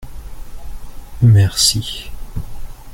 merci.